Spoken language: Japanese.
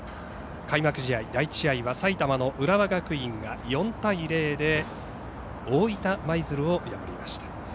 開幕試合、第１試合は埼玉の浦和学院が４対０で大分舞鶴を破りました。